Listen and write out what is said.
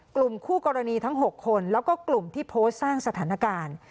กลุ่มคู่กรณีทั้ง๖คนแล้วก็กลุ่มที่โพสต์สร้างสถานการณ์